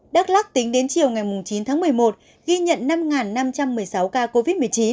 đắk lắc tính đến chiều ngày chín tháng một mươi một ghi nhận năm năm trăm một mươi sáu ca covid một mươi chín